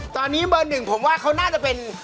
ตอนนี้เบอร์หนึ่งผมว่าเขาน่าจะเป็น